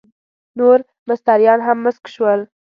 نور مستریان هم مسک شول.